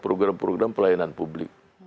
program program pelayanan publik